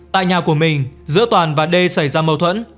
tại nhà của mình giữa toàn và đê xảy ra mâu thuẫn